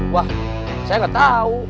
wah saya nggak tahu